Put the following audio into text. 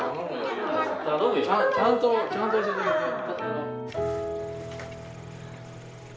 ちゃんとちゃんと教えてあげてよ。